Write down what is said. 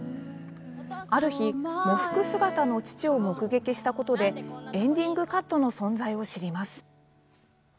ある日喪服姿の父を目撃したことでエンディングカットの存在を知ります。